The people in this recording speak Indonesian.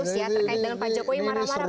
terkait dengan pak jokowi marah marah